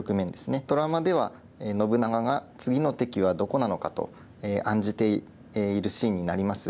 ドラマでは信長が次の敵はどこなのかと案じているシーンになります。